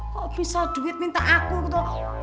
kok bisa duit minta aku gitu